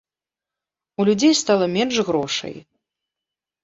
У людзей стала менш грошай.